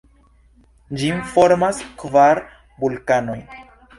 Ĝin formas kvar vulkanoj.